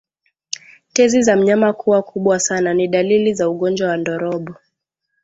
Tezi za mnyama kuwa kubwa sana ni dalili za ugonjwa wa ndorobo